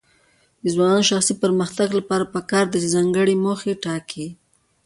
د ځوانانو د شخصي پرمختګ لپاره پکار ده چې ځانګړي موخې ټاکي.